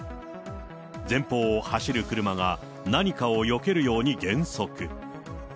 前方を走る車が何かをよけるように減速。